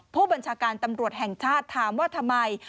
ผู้บัญชาการตำรวจแห่งชาติถามว่าทำไม